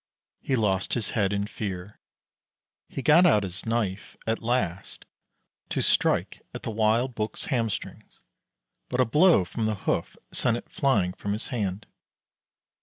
He lost his head in fear. He got out his knife, at last, to strike at the wild Buk's hamstrings, but a blow from the hoof sent it flying from his hand.